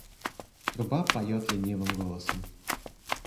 Труба поёт ленивым голосом.